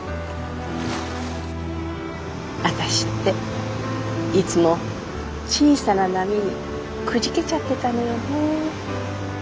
私っていつも小さな波にくじけちゃってたのよね。